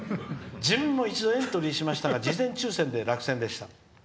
自分も一度エントリーしましたが事前抽せんで落選でした。